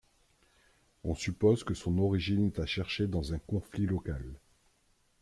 On suppose que son origine est à chercher dans un conflit local.